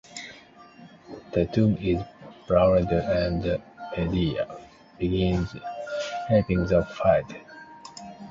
Tatum is paroled and the media begins hyping the fight.